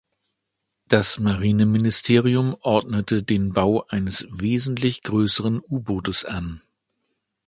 Das Marineministerium ordnete den Bau eines wesentlich größeren U-Bootes an.